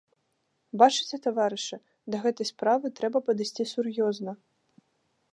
Бачыце, таварышы, да гэтай справы трэба падысці сур'ёзна.